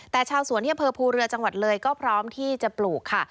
แต่ชาวสวนที่อำเภอภูเรือจังหวัดเลยก็พร้อมที่จะปลูกค่ะ